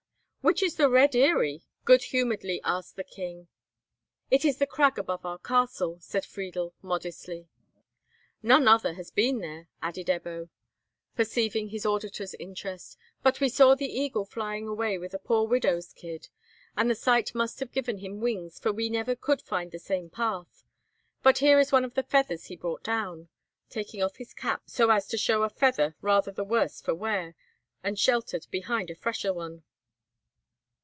"Which is the Red Eyrie?" good humouredly asked the king. "It is the crag above our castle," said Friedel, modestly. "None other has been there," added Ebbo, perceiving his auditor's interest; "but he saw the eagle flying away with a poor widow's kid, and the sight must have given him wings, for we never could find the same path; but here is one of the feathers he brought down"—taking off his cap so as to show a feather rather the worse for wear, and sheltered behind a fresher one.